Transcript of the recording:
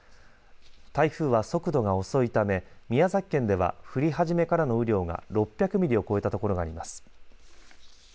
台風は速度が遅いため宮崎県では降り始めからの雨量が６００ミリを超えたところがあります。